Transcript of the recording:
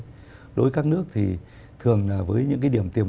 đối với các nước thì thường là với những nguyên nhân